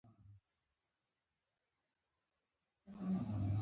د صوفیانو لپاره د مجلس تالار دوه پوړونه لري.